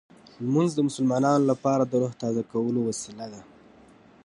لمونځ د مسلمانانو لپاره د روح تازه کولو وسیله ده.